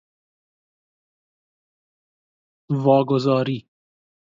واگذاری